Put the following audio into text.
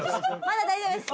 まだ大丈夫です。